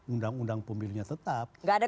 undang undang pemilunya tetap tidak ada